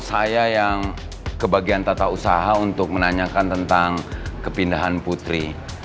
saya yang ke bagian tata usaha untuk menanyakan tentang kepindahan putri